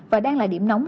và đang là điểm nóng